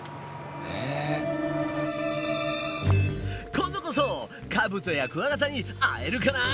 今度こそカブトやクワガタに会えるかな？